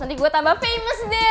nanti gue tambah faymes deh